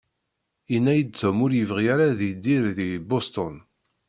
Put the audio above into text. Yenna-iyi-d Tom ur yebɣi ara ad yidir deg Boston.